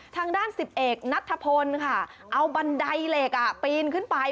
ทางด้านสิบเอกนัทธพลค่ะเอาบันไดเหล็กปีนขึ้นไป